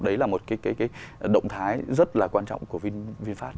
đấy là một cái động thái rất là quan trọng của vinfast